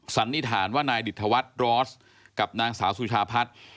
สันนิษฐานว่านายดิตธวัฒน์รอสกับนางสาวสุชาพัฒน์